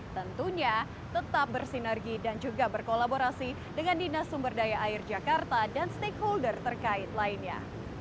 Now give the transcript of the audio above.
tentunya tetap bersinergi dan juga berkolaborasi dengan dinas sumber daya air jakarta dan stakeholder terkait lainnya